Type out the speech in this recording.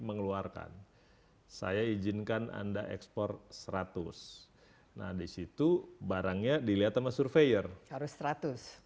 mengeluarkan saya izinkan anda ekspor seratus nah disitu barangnya dilihat sama surveyor harus